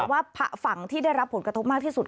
แต่ว่าฝั่งที่ได้รับผลกระทบมากที่สุด